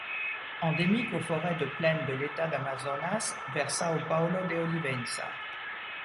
Endémique aux forêts de plaine de l'État d'Amazonas, vers Sâo Paulo de Olivença.